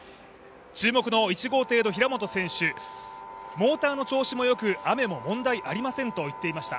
注目の１号艇の平本選手モーターの調子もよく、雨も問題ありませんと言っていました。